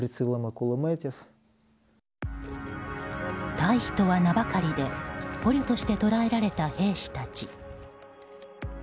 退避とは名ばかりで捕虜として捕らえられた兵士たち。